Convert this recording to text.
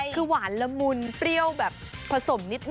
คือหวานละมุนเปรี้ยวแบบผสมนิดนึ